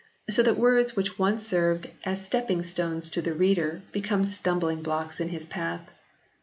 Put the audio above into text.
So that words which once served as stepping stones to the reader become stumbling blocks in his path.